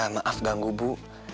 maaf ganggu bu